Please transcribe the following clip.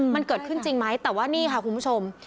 มันเกิดขึ้นจริงไหมแต่ว่านี่ค่ะคุณผู้ชม